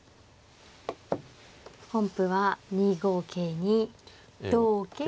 本譜は２五桂に同桂と。